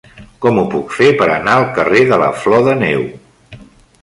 Com ho puc fer per anar al carrer de la Flor de Neu?